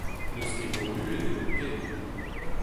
N'eus ket morued eno ken.